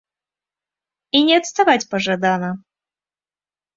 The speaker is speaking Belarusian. І не адставаць пажадана.